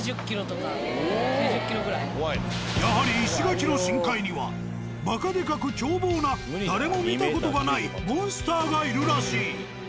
やはり石垣の深海にはバカでかく凶暴な誰も見た事がないモンスターがいるらしい。